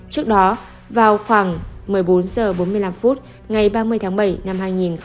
trước đó vào khoảng một mươi bốn h bốn mươi năm ngày ba mươi tháng bảy năm hai nghìn hai mươi